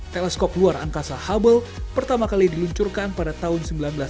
teleskop luar angkasa hubble pertama kali diluncurkan pada tahun seribu sembilan ratus sembilan puluh